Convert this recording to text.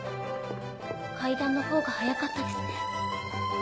階段のほうが早かったですね。